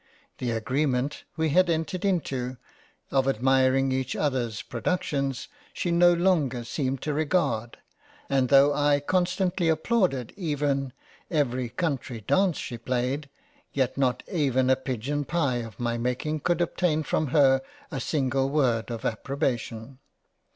The Agreement we had entered into of admiring each others productions she no longer seemed to regard, and tho' I con stantly applauded even every Country dance, she played, yet not even a pidgeon pye of my making could obtain from her a single word of approbation.